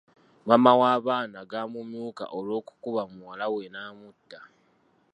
Maama w’abaana gaamumyuka olw’okukuba muwala we n’amutta.